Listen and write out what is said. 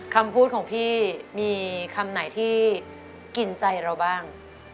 คำพูดของพี่มีคำไหนที่กินใจเราบ้าง